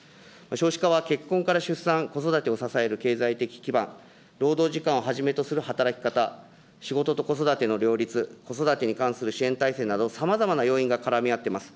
少子化は結婚から出産、子育てを支える経済的基盤、労働時間をはじめとする働き方、仕事と子育ての両立、子育てに関する支援体制など、さまざまな要因が絡み合っています。